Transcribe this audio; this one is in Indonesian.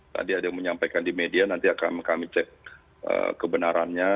tadi ada yang menyampaikan di media nanti akan kami cek kebenarannya